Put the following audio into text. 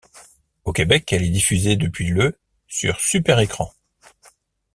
Au Québec, elle est diffusée depuis le sur Super Écran.